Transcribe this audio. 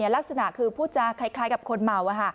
ลักษณะคือพูดจาคล้ายกับคนเมา